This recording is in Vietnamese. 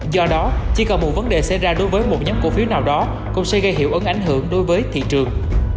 do đó chỉ còn một vấn đề xảy ra đối với một nhóm cổ phiếu nào đó cũng sẽ gây hiệu ứng ảnh hưởng đối với thị trường